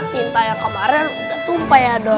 cinta yang kemarin udah tumpah ya dok